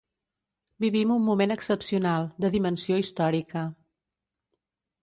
Vivim un moment excepcional, de dimensió històrica.